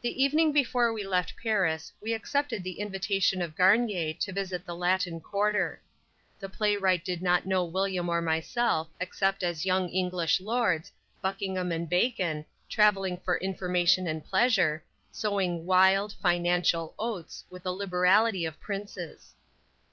The evening before we left Paris we accepted the invitation of Garnier to visit the Latin Quarter. The playwright did not know William or myself, except as young English lords "Buckingham" and "Bacon," traveling for information and pleasure, sowing "wild," financial "oats" with the liberality of princes.